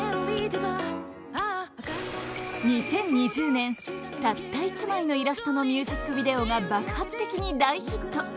２０２０年たった１枚のイラストのミュージックビデオが爆発的に大ヒット！